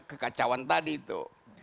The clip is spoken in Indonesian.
kekacauan tadi itu